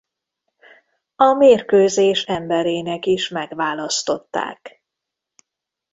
A mérkőzés emberének is megválasztották.